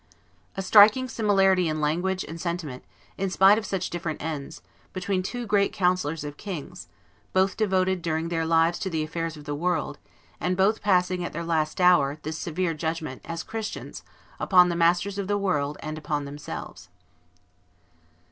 A striking similarity in language and sentiment, in spite of such different ends, between two great councillors of kings, both devoted during their lives to the affairs of the world, and both passing, at their last hour, this severe judgment, as Christians, upon the masters of the world and upon themselves.